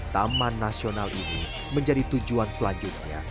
taman nasional ini menjadi tujuan selanjutnya